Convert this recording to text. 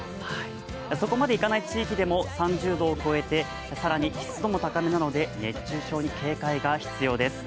そこまでいかない地域でも、３０度を超えて、更に湿度も高めなので熱中症に警戒が必要です。